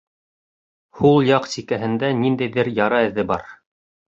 Һул яҡ сикәһендә ниндәйҙер яра эҙе бар.